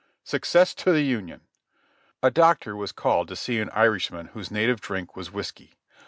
"Success to the Union." A doctor was called to see an Irishman whose native drink was whiskey.